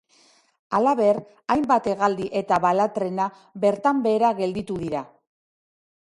Halaber, hainbat hegaldi eta bala trena bertan behera gelditu dira.